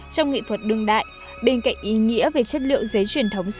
trong nghệ thuật đương đại bên cạnh ý nghĩa về chất liệu giấy truyền thống